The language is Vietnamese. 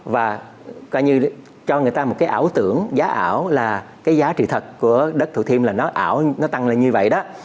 và coi như cho người ta một cái ảo tưởng giá ảo là cái giá trị thật của đất thủ thiêm là nó ảo nó tăng lên như vậy đó